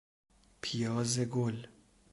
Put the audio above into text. پیاز گل